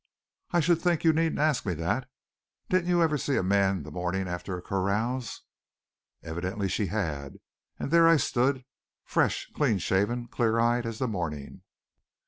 I should think you needn't ask me that. Didn't you ever see a man the morning after a carouse?" Evidently she had. And there I knew I stood, fresh, clean shaven, clear eyed as the morning.